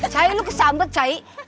cai lu kesambet cai